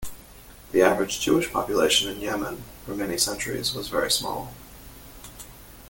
The average Jewish population in Yemen for many centuries was very small.